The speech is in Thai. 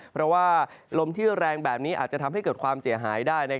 เพราะว่าลมที่แรงแบบนี้อาจจะทำให้เกิดความเสียหายได้